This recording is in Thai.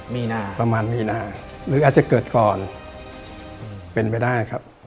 มีนาประมาณมีนาหรืออาจจะเกิดก่อนเป็นไปได้ครับ